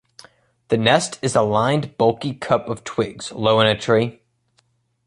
The nest is a lined bulky cup of twigs low in a tree.